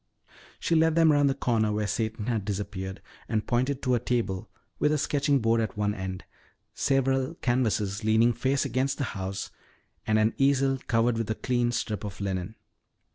She led them around the corner where Satan had disappeared and pointed to a table with a sketching board at one end, several canvases leaning face against the house, and an easel covered with a clean strip of linen.